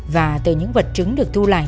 và từ những vật chứng được thu lại